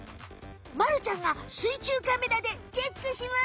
まるちゃんがすいちゅうカメラでチェックします！